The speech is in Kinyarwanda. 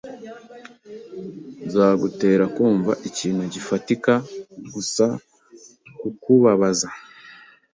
Nzagutera kumva ikintu gifatika gusa kukubabaza